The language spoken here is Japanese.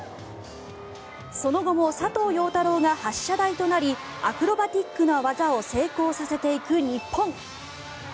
その後も佐藤陽太郎が発射台となりアクロバティックな技を成功させていく日本。